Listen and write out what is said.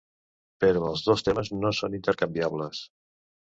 Però els dos termes no són intercanviables.